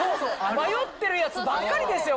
迷ってるやつばっかりですよ！